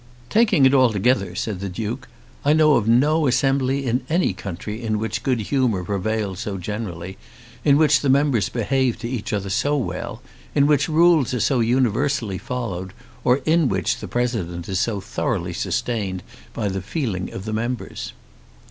"Taking it altogether," said the Duke, "I know of no assembly in any country in which good humour prevails so generally, in which the members behave to each other so well, in which rules are so universally followed, or in which the president is so thoroughly sustained by the feeling of the members."